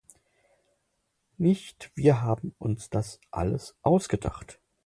Nicht wir haben uns das alles ausgedacht.